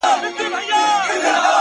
o گراني فريادي دي بـېــگـــاه وويل؛